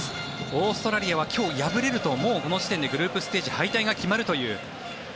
オーストラリアは今日敗れるともうこの時点でグループステージ敗退が決まるという。